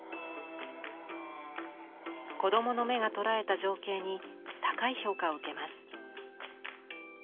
子供の目が捉えた情景に高い評価を受けます。